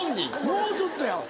もうちょっとやわ。